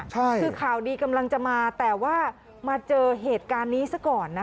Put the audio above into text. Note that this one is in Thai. คือข่าวดีกำลังจะมาแต่ว่ามาเจอเหตุการณ์นี้ซะก่อนนะคะ